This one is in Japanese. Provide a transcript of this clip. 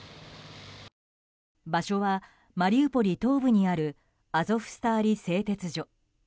場所は、マリウポリ東部にあるアゾフスターリ製鉄所。